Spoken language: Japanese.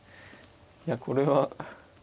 いやこれは。